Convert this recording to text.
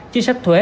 chính sách thuế